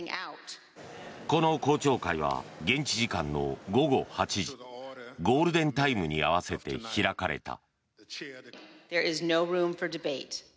この公聴会は現地時間の午後８時ゴールデンタイムに合わせて開かれた。